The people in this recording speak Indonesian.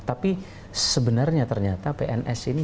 tapi sebenarnya ternyata pns ini